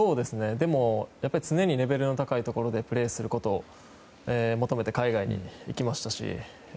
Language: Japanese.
でも、やっぱり常にレベルの高いところでプレーすることを求めて海外に行きましたし